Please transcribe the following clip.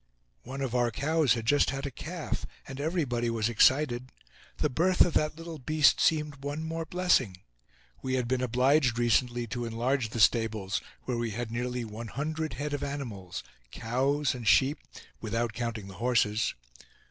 One of our cows had just had a calf, and everybody was excited. The birth of that little beast seemed one more blessing. We had been obliged recently to enlarge the stables, where we had nearly one hundred head of animals—cows and sheep, without counting the horses.